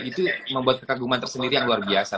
itu membuat kekaguman tersendiri yang luar biasa